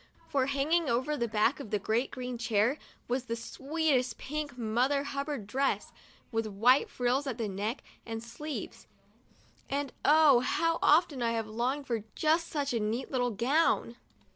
For, hanging over the back of that great, green chair was the sweetest pink Mother Hubbard dress, with white frills at the neck and sleeves ; and, oh, how often I have longed for just such a neat little gown!